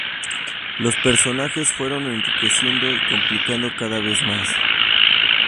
Los personajes se fueron enriqueciendo y complicando cada vez más.